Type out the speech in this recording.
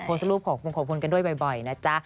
โพสต์รูปขอบงขอบคุณกันด้วยบ่อยนะจ๊ะ